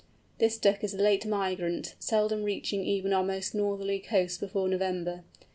This Duck is a late migrant, seldom reaching even our most northerly coasts before November.